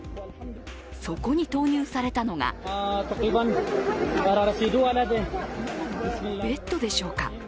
そこに投入されたのがベッドでしょうか